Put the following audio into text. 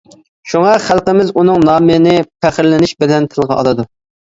شۇڭا خەلقىمىز ئۇنىڭ نامىنى پەخىرلىنىش بىلەن تىلغا ئالىدۇ.